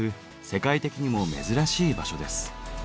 世界的にも珍しい場所です。